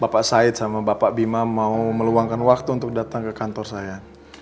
bapak said sama bapak bima mau meluangkan waktu untuk datang ke kantor saya